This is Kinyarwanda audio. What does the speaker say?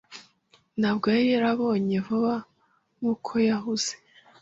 Ntabwo yari yarambonye vuba nkuko yahunze.